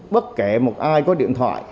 bất kể một ai có điện thoại